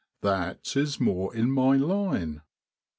That is more in my line.